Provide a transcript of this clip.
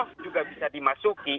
oh juga bisa dimaksudkan ya